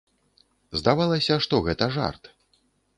Здавалася, што гэта жарт.